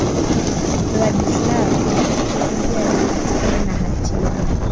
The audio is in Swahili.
radislav krstic ndiye aliyepatikana na hatia